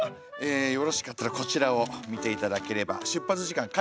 よろしかったらこちらを見て頂ければ出発時間書いてありますので。